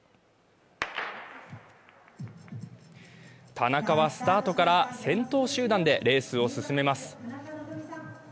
田中はスタートから先頭集団でレースを進めます。